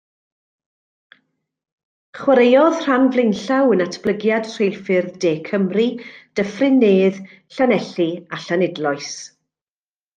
Chwaraeodd rhan flaenllaw yn natblygiad rheilffyrdd De Cymru, Dyffryn Nedd, Llanelli a Llanidloes.